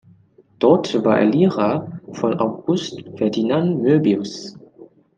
Dort war er Lehrer von August Ferdinand Möbius.